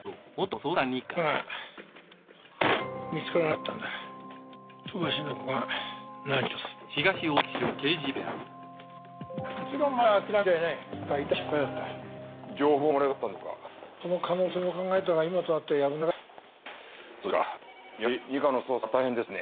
そうですかやはり二課の捜査は大変ですね。